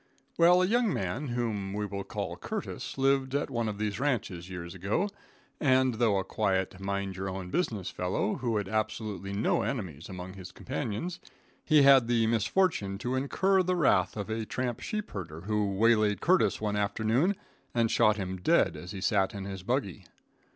Well, a young man whom we will call Curtis lived at one of these ranches years ago, and, though a quiet, mind your own business fellow, who had absolutely no enemies among his companions, he had the misfortune to incur the wrath of a tramp sheep herder, who waylaid Curtis one afternoon and shot him dead as he sat in his buggy.